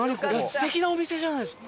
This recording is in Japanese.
素敵なお店じゃないですか。